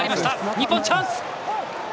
日本、チャンス。